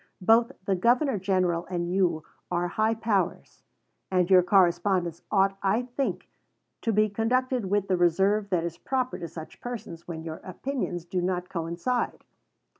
Both the Governor General and you are high powers, and your correspondence ought, I think, to be conducted with the reserve that is proper to such persons when your opinions do not coincide.